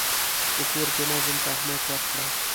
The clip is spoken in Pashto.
په کور کې نظم ته اهمیت ورکړه.